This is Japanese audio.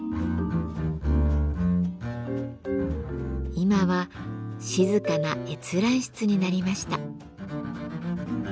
今は静かな閲覧室になりました。